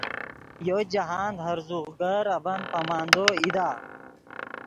یو جاہند ہرزوغ گر اڤن پامندو ایدا ڤیو